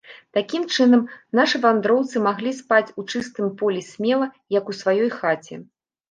Такім чынам, нашы вандроўцы маглі спаць у чыстым полі смела, як у сваёй хаце.